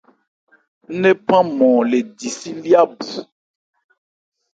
Ńnephan nmɔn le di si lyá bu.